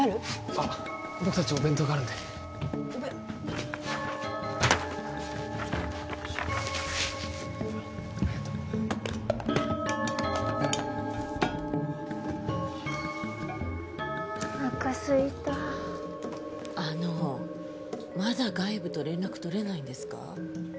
あっ僕達お弁当があるんでお弁はいありがとうおなかすいたあのまだ外部と連絡取れないんですか？